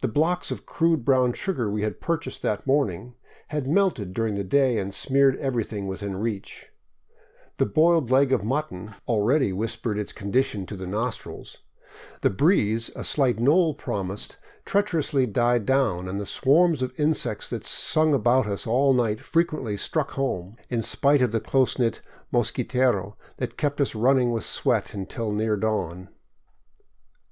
The blocks of crude brown sugar we had purchased that morning had melted during the day and smeared everything within reach ; the boiled leg of mutton 561 VAGABONDING DOWN THE ANDES already whispered its condition to the nostrils. The breeze a slight knoll promised treacherously died down, and the swarms of insects that sung about us all night frequently struck home, in spite of the close knit mosquitero that kept us running with sweat until near dawn.